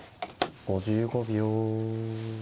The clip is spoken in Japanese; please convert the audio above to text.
５５秒。